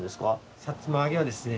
「さつまあげ」はですね